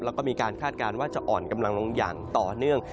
แล้วก็มีการคาดการณ์ว่าจะอ่อนกำลังลงอย่างต่อเนื่อง